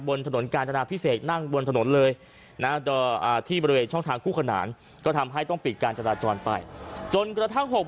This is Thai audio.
บนถนนกาญจนาพิเศษนั่งบนถนนเลยนะที่บริเวณช่องทางคู่ขนานก็ทำให้ต้องปิดการจราจรไปจนกระทั่งหก